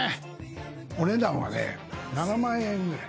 お値段はね７万円ぐらい。